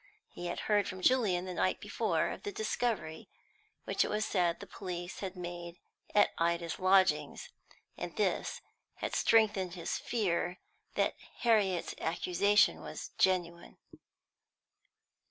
He had heard from Julian the night before of the discovery which it was said the police had made at Ida's lodgings, and this had strengthened his fear that Harriet's accusation was genuine.